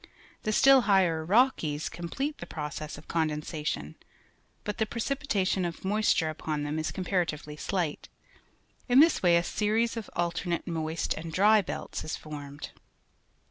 The still higher Rockies complete the process of condensation, but the precipitation of moisture upon them is comparatively slight. In this way a series of alternate moist and dry belts is formed.